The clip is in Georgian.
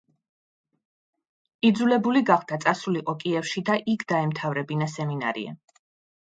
იძულებული გახდა წასულიყო კიევში და იქ დაემთავრებინა სემინარია.